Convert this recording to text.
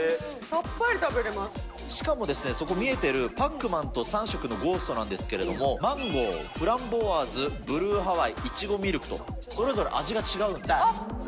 しかもですね、そこ、見えてる、パックマンと３色のゴーストなんですけれども、マンゴー、フランボワーズ、ブルーハワイ、イチゴミルクとそれぞれ味が違うんです。